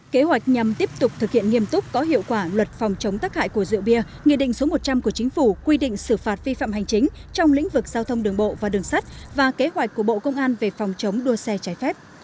kế hoạch nhằm tiếp tục thực hiện nghiêm túc có hiệu quả luật phòng chống tắc hại của rượu bia nghị định số một trăm linh của chính phủ quy định xử phạt vi phạm hành chính trong lĩnh vực giao thông đường bộ và đường sắt và kế hoạch của bộ công an về phòng chống đua xe trái phép